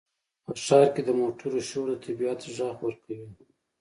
په ښار کې د موټرو شور د طبیعت غږ ورکوي.